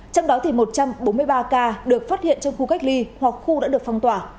trong đó thì một trăm bốn mươi ba ca được phát hiện trong khu cách ly hoặc khu đã được phong tỏa